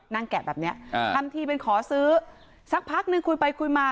แกะแบบเนี้ยอ่าทำทีเป็นขอซื้อสักพักนึงคุยไปคุยมา